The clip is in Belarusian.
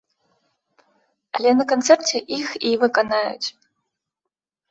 Але на канцэрце і іх выканаюць.